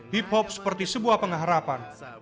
hip hop seperti sebuah pengharapan